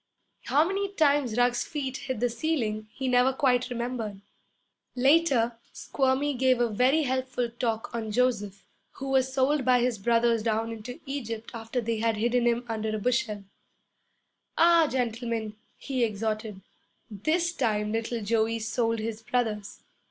How many times Ruggs's feet hit the ceiling, he never quite remembered. Later, Squirmy gave a very helpful talk on Joseph, who was sold by his brothers down into Egypt after they had hidden him under a bushel. 'Ah! gentlemen,' he exhorted, 'this time little Joey sold his brothers.